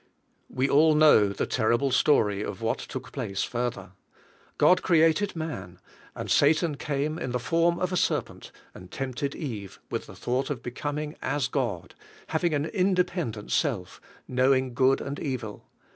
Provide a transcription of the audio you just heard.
We all know the terrible story of what took place further; God created man, and Satan came in the form of a serpent and tempted Eve with the thought of becoming as God, having an independ ent self, knowing good and evil.